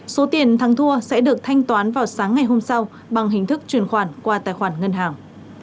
số tiền thắng thua sẽ được thanh toán vào sáng ngày hôm sau bằng hình thức chuyển khoản qua tài khoản ngân hàng